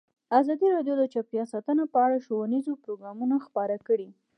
ازادي راډیو د چاپیریال ساتنه په اړه ښوونیز پروګرامونه خپاره کړي.